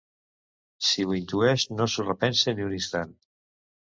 Si ho intueix no s'ho repensa ni un instant.